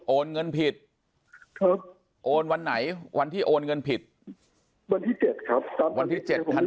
โอนเงินผิดโอนวันไหนวันที่โอนเงินผิดวันที่๗ครับ